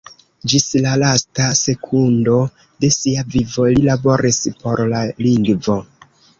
Ĝis la lasta sekundo de sia vivo li laboris por la lingvo.